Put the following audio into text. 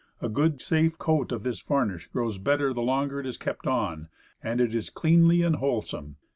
A good safe coat of this varnish grows better the longer it is kept on and it is cleanly and wholesome.